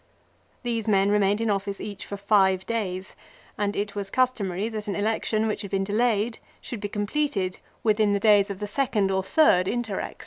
These men remained in office each for five days, and it was customary that an election which had been delayed should be completed within the days of the second or third interrex.